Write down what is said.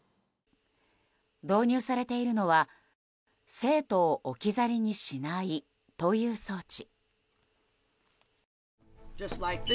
導入されているのは生徒を置き去りにしないという装置。